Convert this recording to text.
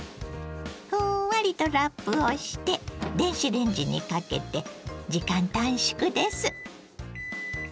ふんわりとラップをして電子レンジにかけて時間短縮です。